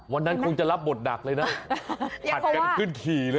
วันนั้นคงจะรับบทหนักเลยนะผัดกันขึ้นขี่เลย